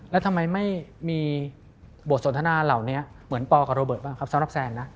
แล้วทำไมไม่มีบทสนทนาเหล่านี้เหมือนปอกับโรเบิร์ตบ้างครับสำหรับแซนนะ